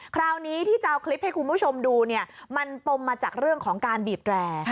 คราวนี้ที่จะเอาคลิปให้คุณผู้ชมดูเนี่ยมันปมมาจากเรื่องของการบีบแร่